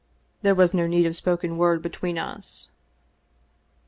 There was no need of spoken word be tween us.